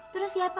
terus siapa pak